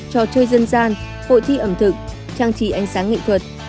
trò chơi dân gian hội thi ẩm thực trang trí ánh sáng nghệ thuật